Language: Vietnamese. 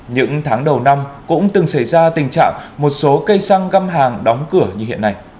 những tháng đầu năm cũng từng xảy ra tình trạng một số cây xăng găm hàng đóng cửa như hiện nay